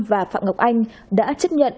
và phạm ngọc anh đã chấp nhận